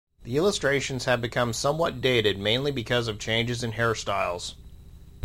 The illustrations have become somewhat dated, mainly because of changes in hairstyles.